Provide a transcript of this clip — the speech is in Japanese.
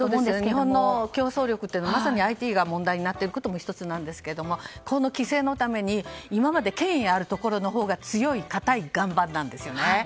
日本の競争力はまさにＩＴが問題になっていることも１つですが、この規制のために今まで権威あるところのほうが強い硬い岩盤なんですよね。